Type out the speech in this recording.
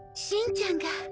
しんちゃんが。